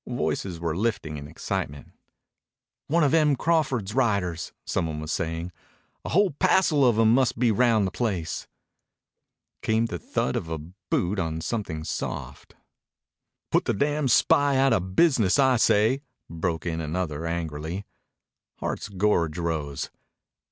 Voices were lifted in excitement. "One of Em Crawford's riders," some one was saying. "A whole passel of 'em must be round the place." Came the thud of a boot on something soft. "Put the damn spy outa business, I say," broke in another angrily. Hart's gorge rose.